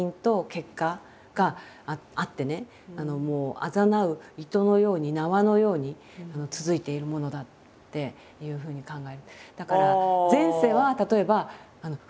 あざなう糸のように縄のように続いているものだっていうふうに考える。